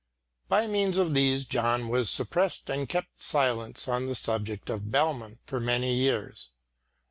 By means of these John was suppressed and kept silence on the subject of Bellmann for many years.